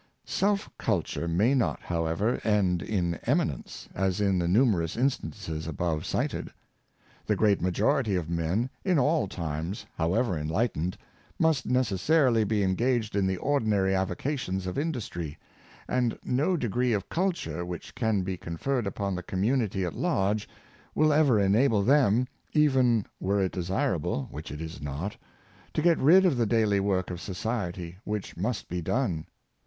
Self culture may not, however, end in eminence, as in the numerous instances above cited. The great ma jority of men, in all times, however enlightened, must necessarily be engaged in the ordinary avocations of industry; and no degree of culture which can be con ferred upon the community at large will ever enable them — even were it desirable, which it is not — to get rid of the daily work of society, which must be done.